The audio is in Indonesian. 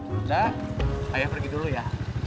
udah ayo pergi dulu ya